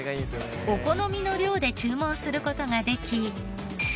お好みの量で注文する事ができ。